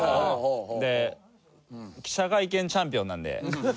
で記者会見チャンピオンなのでやっぱり。